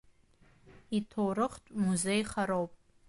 Иҭоурыхтә музеихароуп…